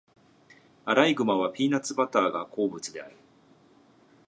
アライグマはピーナッツバターが好物である。